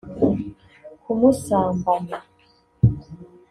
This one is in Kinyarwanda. kumusambanya